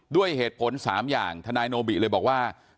ด้วยเหตุผล๓อย่างทนายโนบิเลยบอกว่า